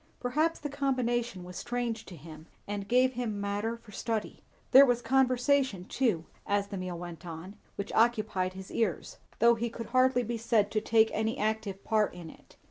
Perhaps the combination was strange to him and gave him matter for study. There was conversation too, as the meal went on, which occupied his ears, though he could hardly be said to take an active part in it.